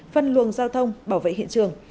phân luồng giao thông bảo vệ hiện trường